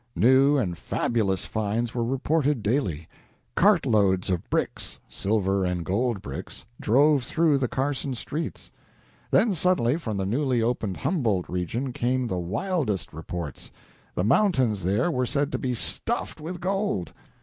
New and fabulous finds were reported daily. Cart loads of bricks silver and gold bricks drove through the Carson streets. Then suddenly from the newly opened Humboldt region came the wildest reports. The mountains there were said to be stuffed with gold.